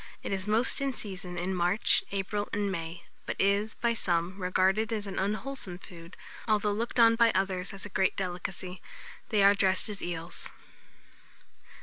It is most in season in March, April, and May, but is, by some, regarded as an unwholesome food, although looked on by others as a great delicacy. They are dressed as eels.